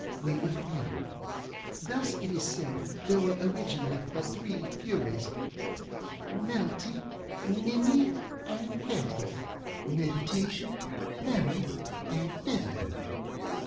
We were three. Thus it is said there were originally but three FuriesŌĆöMelty, Nimmy, and HettyŌĆöMeditation, Memory, and Fiddling.